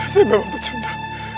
saya memang pecunda